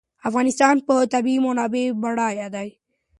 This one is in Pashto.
افغانستان په طبیعي منابعو بډای دی.